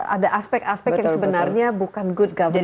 ada aspek aspek yang sebenarnya bukan good government